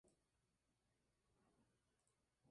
De su matrimonio no tuvo descendencia.